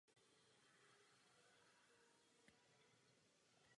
Tam však museli začít znovu od nuly.